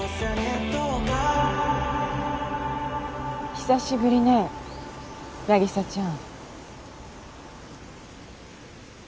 久しぶりね凪沙ちゃん。